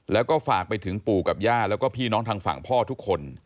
แล้วก็ฝากไปถึงปู่กับย่าแล้วก็พี่น้องทางฝั่งพ่อทุกคน